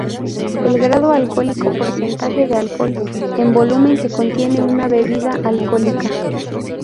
El grado alcohólico, porcentaje de alcohol en volumen que contiene una bebida alcohólica.